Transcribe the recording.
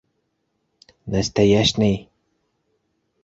Нәстәйәшней!